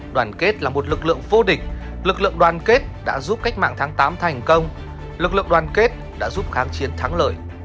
đoàn kết là một lực lượng vô địch lực lượng đoàn kết đã giúp cách mạng tháng tám thành công lực lượng đoàn kết đã giúp kháng chiến thắng lợi